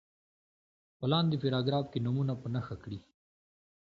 په لاندې پاراګراف کې نومونه په نښه کړي.